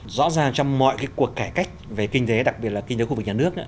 rõ ràng trong mọi cái cuộc cải cách về kinh tế đặc biệt là kinh tế khu vực nhà nước